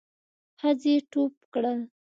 ښځې ټوپ کړل.